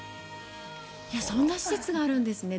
そんな施設があるんですね